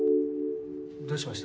どうしました？